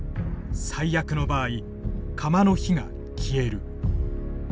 最悪の場合釜の火が消える。